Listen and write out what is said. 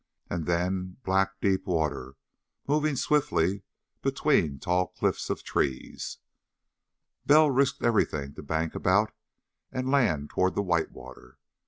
And then black, deep water, moving swiftly between tall cliffs of trees. Bell risked everything to bank about and land toward the white water.